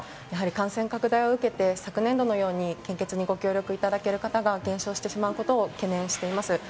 やはり感染拡大を受けて昨年度のように献血にご協力いただける方が減少してしまうことを懸念しています。